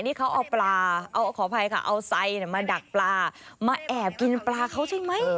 นี่เขาเอาปลาเอาขออภัยค่ะเอาไซมาดักปลามาแอบกินปลาเขาใช่ไหม